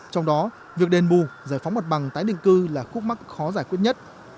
trong đó việc đền bù giải phóng mặt bằng tái định cư là khúc mắc khó giải quyết nhất